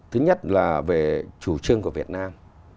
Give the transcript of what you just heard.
thứ nhất là về chủ trương của việt nam